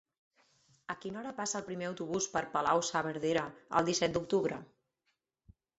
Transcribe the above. A quina hora passa el primer autobús per Palau-saverdera el disset d'octubre?